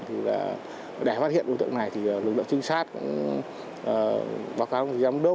thì là để phát hiện đối tượng này thì lực lượng trinh sát báo cáo của giám đốc